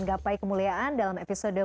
gapai kemuliaan dalam episode